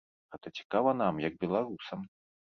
Гэта цікава нам як беларусам.